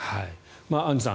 アンジュさん